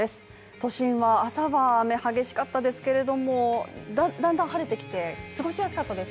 都心は朝は雨激しかったですけれどもだんだん晴れてきて、過ごしやすかったです